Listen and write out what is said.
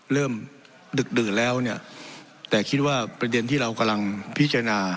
ดึกดื่นแล้วเนี่ยแต่คิดว่าประเด็นที่เรากำลังพิจารณา